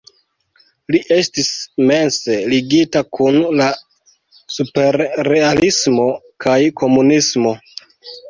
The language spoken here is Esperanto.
Li estis mense ligita kun la superrealismo kaj komunismo.